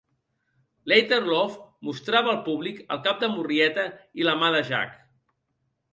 "Later Love" mostrava al públic el cap de Murrieta i la mà de Jack.